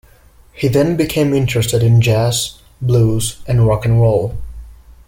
He then became interested in jazz, blues, and rock and roll.